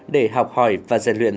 để học hỏi và giải luyện